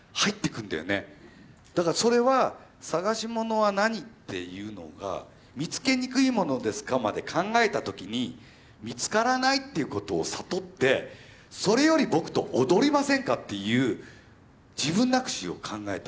だからそれは「探しものは何？」っていうのが「見つけにくいものですか？」まで考えた時に見つからないっていうことを悟って「それより僕と踊りませんか？」っていう「自分なくし」を考えた。